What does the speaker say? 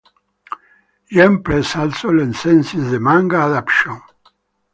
Yen Press also licensed the manga adaptation.